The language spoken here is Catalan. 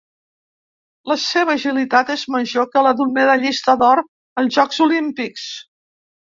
La seva agilitat és major que la d'un medallista d'or als Jocs Olímpics.